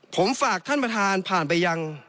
ผมฝากท่านประธานผ่านไปยัง